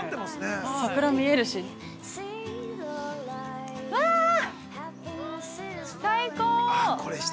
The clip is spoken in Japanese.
桜見えるし、ああ、最高！